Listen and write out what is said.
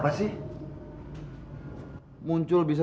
building ummenai ya kan